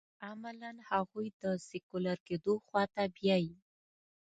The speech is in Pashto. عملاً هغوی د سیکولر کېدو خوا ته بیايي.